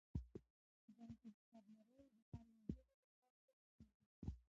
بانکي حساب لرل د هر وګړي لپاره ګټور دی.